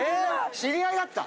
知り合いやった？